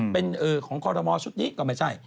เป็นของคอรมอชุดนี้ก็ไม่ใช่